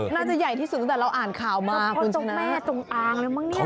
น่าจะใหญ่ที่สุดแต่เราอ่านข่าวมา